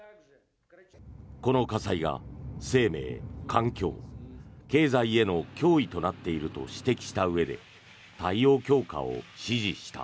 この火災が生命、環境、経済への脅威となっていると指摘したうえで対応強化を指示した。